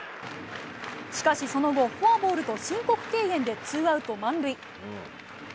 しかしその後、フォアボールと申告敬遠でツーアウト満塁。